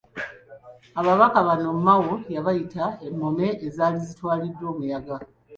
Ababaka bano Mao yabayita emmome ezaali zitwaliddwa omuyaga.